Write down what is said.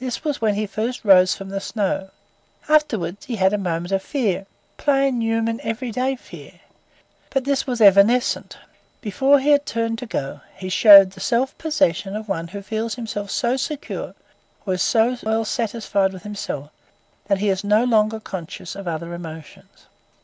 This was when he first rose from the snow. Afterwards he had a moment of fear; plain, human, everyday fear. But this was evanescent. Before he had turned to go, he showed the self possession of one who feels himself so secure, or is so well satisfied with himself, that he is no longer conscious of other emotions.